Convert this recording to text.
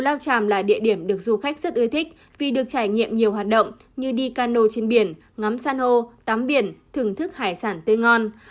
lao tràm là địa điểm được du khách rất ưa thích vì được trải nghiệm nhiều hoạt động như đi cano trên biển ngắm san hô tắm biển thưởng thức hải sản tươi ngon